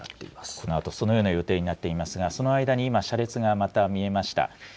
このあとそのような予定になっていますが、その間に今、車列がまた見えました。